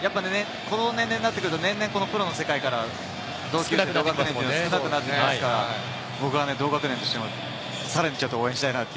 この年齢になってくると、年々、プロの世界からは少なくなってきますから、僕は同学年としても、さらにちょっと応援したいなと。